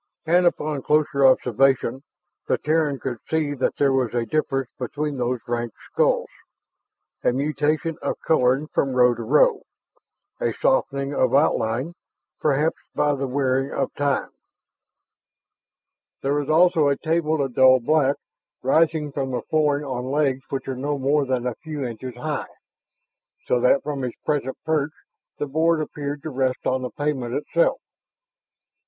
And upon closer observation the Terran could see that there was a difference among these ranked skulls, a mutation of coloring from row to row, a softening of outline, perhaps by the wearing of time. There was also a table of dull black, rising from the flooring on legs which were not more than a very few inches high, so that from his present perch the board appeared to rest on the pavement itself.